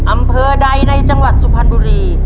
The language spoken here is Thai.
อำเภอใดในจังหวัดสุพรรณบุรี